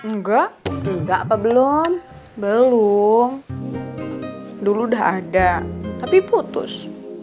enggak enggak apa belum belum dulu udah ada tapi putus